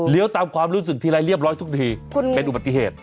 ตามความรู้สึกทีไรเรียบร้อยทุกทีเป็นอุบัติเหตุ